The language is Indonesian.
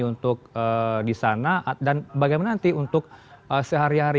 untuk di sana dan bagaimana nanti untuk sehari hari